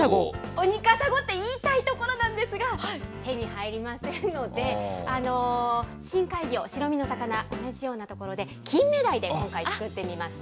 オニカサゴって言いたいところなんですが、手に入りませんので、深海魚、白身の魚、キンメダイで今回作ってみました。